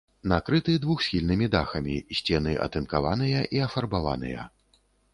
Накрыты двухсхільнымі дахамі, сцены атынкаваныя і афарбаваныя.